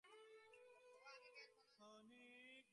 ওহ, আমি বেশ আছি, পিগ।